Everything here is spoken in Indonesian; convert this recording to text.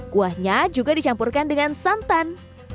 kuahnya juga dicampurkan dengan santan